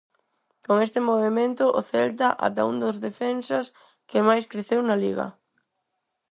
Con este movemento, o Celta ata un dos defensas que máis creceu na Liga.